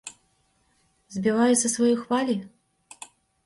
Збівае са сваёй хвалі?